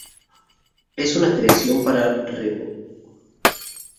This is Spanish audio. Es una creación para revalorizar una ancestral cultura de celebrar los carnavales.